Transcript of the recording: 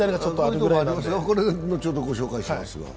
後ほど、ご紹介しますが。